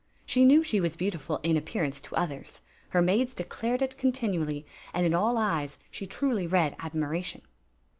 She knew she was beautiful in appearance to others; her maids declared it con tinually, aiKl in all ^es she truly read admiiation.